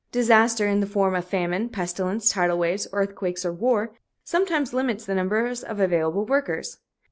Disaster, in the form of famine, pestilence, tidal waves, earthquakes or war, sometimes limits the number of available workers.